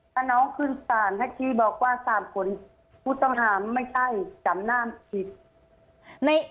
แต่น้องคืนสารให้ที่บอกว่าสามคนคุณต้องถามไม่ใช่จำหน้าผิด